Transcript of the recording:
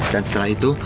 dan setelah itu